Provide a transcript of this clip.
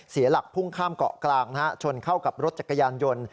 เสียหลักพุ่งข้ามเกาะกลางชนเข้ากับรถจักรยานยนต์